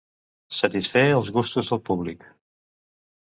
Satisfer els gustos del públic.